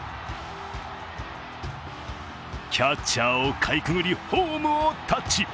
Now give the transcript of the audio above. キャッチャーをかいくぐりホームをタッチ。